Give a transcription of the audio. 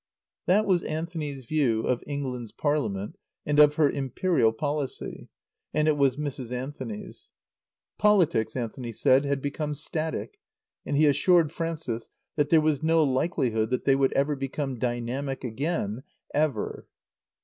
That was Anthony's view of England's parliament and of her imperial policy; and it was Mrs. Anthony's. Politics, Anthony said, had become static; and he assured Frances that there was no likelihood that they would ever become dynamic again ever.